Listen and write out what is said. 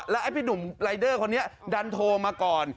ไอ้พี่หนุ่มรายเดอร์คนนี้ดันโทรมาก่อน